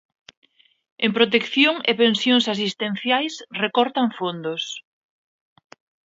En protección e pensións asistenciais recortan fondos.